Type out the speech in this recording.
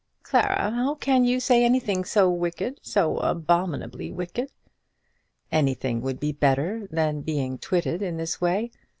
"Clara! how can you say anything so wicked, so abominably wicked!" "Anything would be better than being twitted in this way.